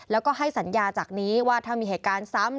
แล้วก็ให้สัญญาจากนี้ว่าถ้ามีเหตุการณ์ซ้ำ